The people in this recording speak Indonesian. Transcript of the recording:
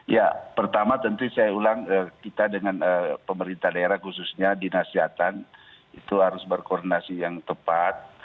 ya pertama tentu saya ulang kita dengan pemerintah daerah khususnya dinas kesehatan itu harus berkoordinasi yang tepat